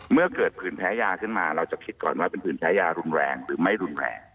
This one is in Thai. เมื่อเกิดผืนแพ้ยาขึ้นมาเราจะคิดก่อนว่าเป็นผืนใช้ยารุนแรงหรือไม่รุนแรง